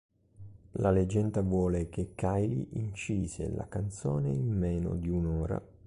La leggenda vuole che Kylie incise la canzone in meno di un'ora.